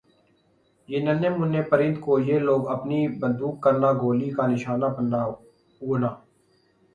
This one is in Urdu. یِہ ننھے مننھے پرند کو یِہ لوگ اپنی بندوق کرنا گولی کا نشانہ بننا ہونا